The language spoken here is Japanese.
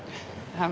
あ。